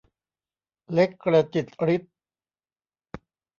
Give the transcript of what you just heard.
เล็กกระจิดริด